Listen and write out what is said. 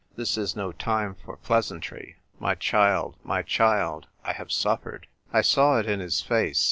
This is no time for pleasantry. My child, my child, I have suffered." I saw it in his face.